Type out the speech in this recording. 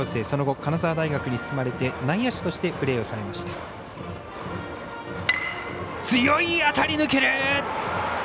その後、金沢大学に進まれて内野手として活躍されました。